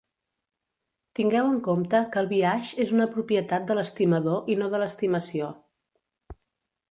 Tingueu en compte que el biaix és una propietat de l'estimador i no de l'estimació.